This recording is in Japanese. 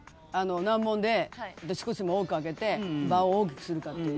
難問で少しでも多く開けて場を大きくするかって。